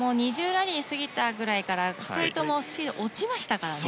ラリーを過ぎたぐらいから２人ともスピードが落ちましたからね。